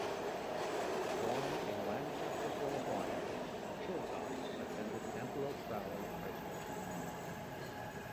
Born in Lancaster, California, Chilcott attended Antelope Valley High School.